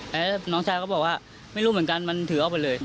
แล้วน้องชายก็บอกว่าไม่รู้เหมือนกันมันถือออกไปเลย